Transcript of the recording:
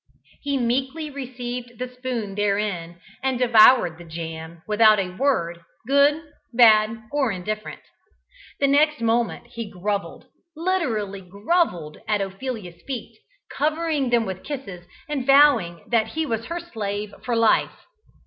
He meekly received the spoon therein, and devoured the jam without a word, good, bad, or indifferent. The next moment he grovelled literally grovelled at Ophelia's feet, covering them with kisses, and vowing that he was her slave for life.